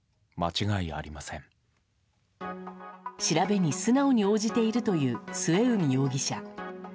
調べに素直に応じているという末海容疑者。